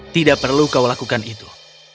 tidak perlu kau lakukan itu